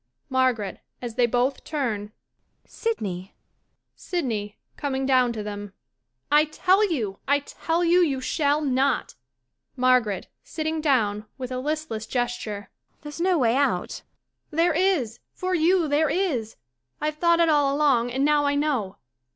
MARGARET lAs they both turnJ] Sydney 1 SYDNEY \Coming down to them,] I tell you — I tell you, you shall not MARGARET {Sitting down, with a listless gesture.] There's no way out. SYDNEY There is. For you there is. I've thought it all along, and now I know.